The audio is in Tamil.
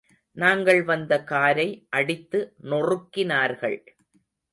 நாங்கள் வந்த காரை அடித்து நொறுக்கினார்கள்.